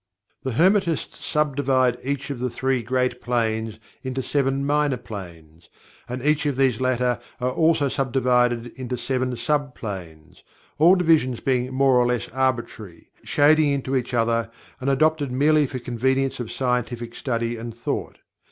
The Hermetists sub divide each of the Three Great Planes into Seven Minor Planes, and each of these latter are also sub divided into seven sub planes, all divisions being more or less arbitrary, shading into each other, and adopted merely for convenience of scientific study and thought.